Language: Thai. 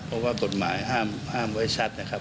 เพราะว่ากฎหมายห้ามไว้ชัดนะครับ